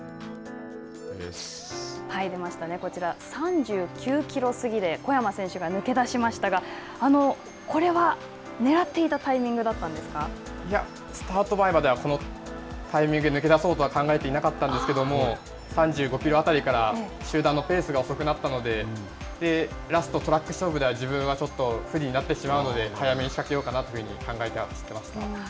こちら、３９キロ過ぎで小山選手が抜け出しましたが、これはねらっていたタイミングだっいや、スタート前まではこのタイミングで抜け出そうとは考えていなかったんですけれども、３５キロあたりから集団のペースが遅くなったので、ラスト、トラック勝負では自分はちょっと不利になってしまうので、早めに仕掛けようかなというふうに考えて走ってました。